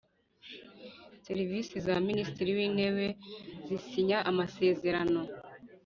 Serivisi za Minisitiri w’Intebe zisinya amasezerano